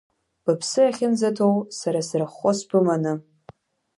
Быԥсы ахьынӡаҭоу, сара сырххо сбыманы.